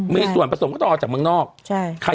มีส่วนผสมก็ต้องเอาจากเมืองนอก